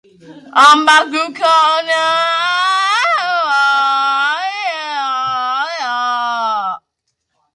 Crucially, it retains many of the vampire traits popularized by Dracula.